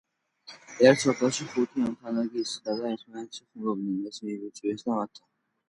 ერთ სოფელში, ხუთი ამხანაგი ისხდა და ერთმანეთში ხუმრობდნენ. მეც მიმიწვიეს და მათთან